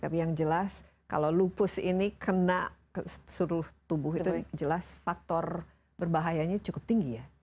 tapi yang jelas kalau lupus ini kena seluruh tubuh itu jelas faktor berbahayanya cukup tinggi ya